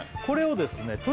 これをですね